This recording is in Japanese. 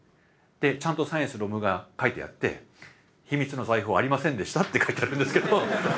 ちゃんとサイエンスの論文が書いてあって「秘密の財宝ありませんでした」って書いてあるんですけど。